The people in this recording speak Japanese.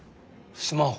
スマホ。